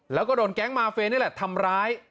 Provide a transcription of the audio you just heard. แล้วก็โดนแก๊งมาเฟย์นี่แหละทำร้าย